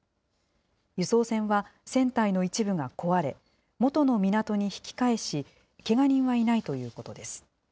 輸送船は、船体の一部が壊れ、元の港に引き返し、けが人はいないということです。